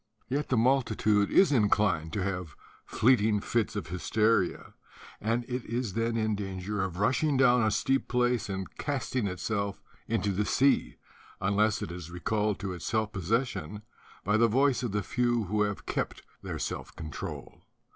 Yet the multitude is inclined to have fleeting fits of hys teria; and it is then in danger of rushing down a steep place and casting itself into the sea, unless it is recalled to its self possession by the voice of the few who have kept their self control.